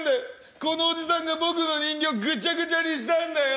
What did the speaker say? このおじさんが僕の人形をぐちゃぐちゃにしたんだよ。